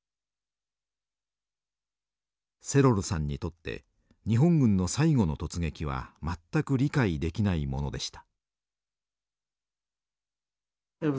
セロルさんにとって日本軍の最後の突撃は全く理解できないものでした。